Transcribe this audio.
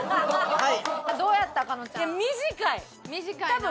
はい。